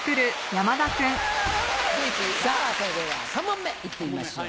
さぁそれでは３問目いってみましょう。